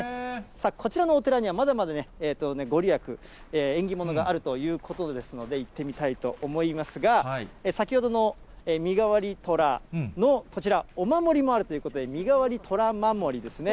こちらのお寺には、まだまだ御利益、縁起物があるということですので、行ってみたいと思いますが、先ほどの身がわり寅のこちらお守りもあるということで、身がわり寅守りですね。